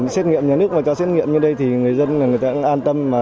xét nghiệm nhà nước và cho xét nghiệm như đây thì người dân là người ta an tâm